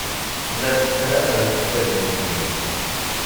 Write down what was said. La ttnamen tagnit-nni.